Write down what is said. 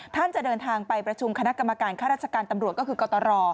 ท่านจะเดินทางไปประชุมคณะกรรมการค่าราชการตำรวจก็คือกตร